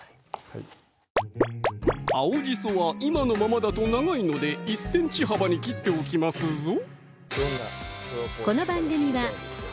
はい青じそは今のままだと長いので１ｃｍ幅に切っておきますぞ